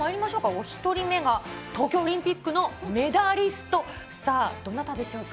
お１人目が、東京オリンピックのメダリスト、さあ、どなたでしょうか？